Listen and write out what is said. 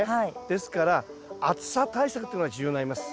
ですから暑さ対策っていうのが重要になります。